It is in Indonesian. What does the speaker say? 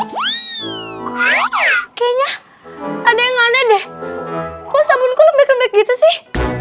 kayaknya ada yang ada deh kok sabun kumit begitu sih